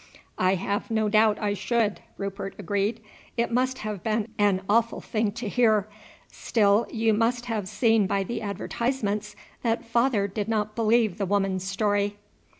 "I have no doubt I should," Rupert agreed; "it must have been an awful thing to hear. Still you must have seen by the advertisements that father did not believe the woman's story."